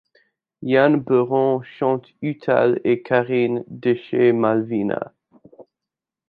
Yann Beuron chante Uthal et Karine Deshayes Malvina.